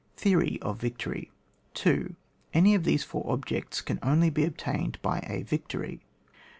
Theory of Victory. 2. Any of these four objects can only be obtained by a victory.